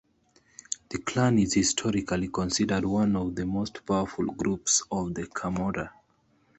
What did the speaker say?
The clan is historically considered one of the most powerful groups of the Camorra.